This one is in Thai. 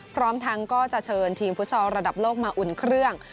พร้อมทั้งก็จะเชิญทีมฟุตซอลระดับโลกมาอุ่นเครื่อง